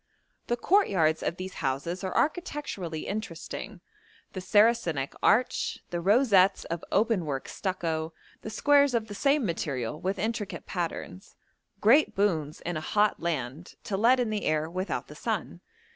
The courtyards of these houses are architecturally interesting: the Saracenic arch, the rosettes of open work stucco, the squares of the same material with intricate patterns great boons in a hot land to let in the air without the sun.